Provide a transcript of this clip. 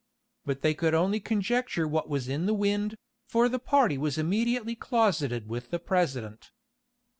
But they could only conjecture what was in the wind, for the party was immediately closeted with the president.